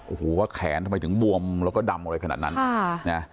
โอ้โหว่าแขนทำไมถึงบวมแล้วก็ดำอะไรขนาดนั้น